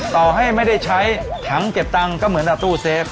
ต่อให้ไม่ได้ใช้ถังเก็บตังค์ก็เหมือนตู้เซฟ